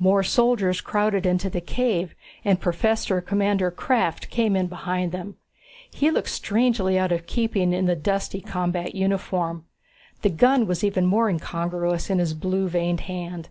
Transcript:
More soldiers crowded into the cave, and Professor Commander Krafft came in behind them. He looked strangely out of keeping in the dusty combat uniform. The gun was even more incongruous in his blue veined hand.